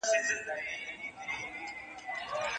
له وطنه څخه لیري مساپر مه وژنې خدایه